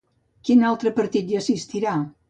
Quin altre partit hi assistirà?